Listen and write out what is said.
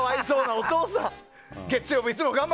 お父さん。